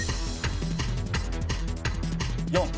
４。